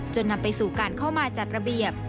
นำไปสู่การเข้ามาจัดระเบียบ